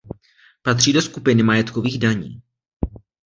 Patří do skupiny majetkových daní.